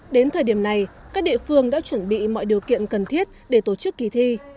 đến thời điểm này các địa phương đã chuẩn bị mọi điều kiện cần thiết để tổ chức kỳ thi